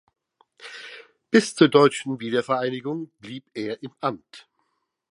Bis zur deutschen Wiedervereinigung blieb er im Amt.